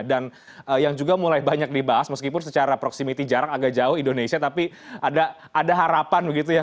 dan yang juga mulai banyak dibahas meskipun secara proximity jarak agak jauh indonesia tapi ada harapan begitu ya